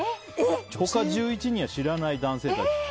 他１１人は知らない男性たち。